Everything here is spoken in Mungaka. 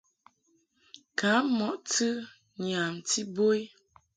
Kam mɔʼ tɨ nyamti bo i.